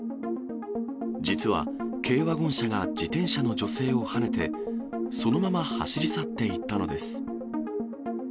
実は軽ワゴン車が自転車の女性をはねて、そのまま走り去っていったのです。